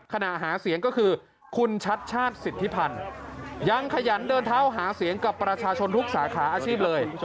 ขณะหาเสียงก็คือคุณชัดชาติสิทธิพันธ์ยังขยันเดินเท้าหาเสียงกับประชาชนทุกสาขาอาชีพเลย